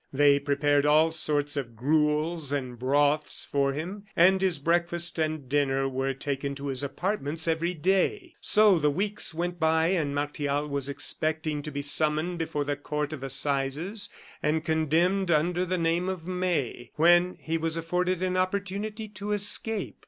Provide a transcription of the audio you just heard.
They prepared all sorts of gruels and broths for him, and his breakfast and dinner were taken to his apartments every day. So the weeks went by, and Martial was expecting to be summoned before the Court of Assizes and condemned under the name of May, when he was afforded an opportunity to escape.